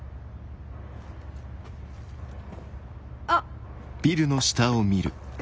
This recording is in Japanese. あっ。